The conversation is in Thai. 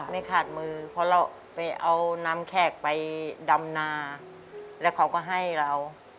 ไม่ขาดมือเพราะเราไปเอาน้ำแขกไปดำนาแล้วเขาก็ให้เรา